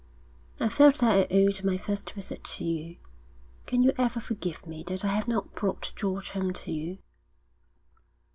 'I felt that I owed my first visit to you. Can you ever forgive me that I have not brought George home to you?'